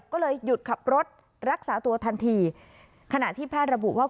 ก็เลยหยุดขับรถรักษาตัวทันทีขณะที่แพทย์ระบุว่า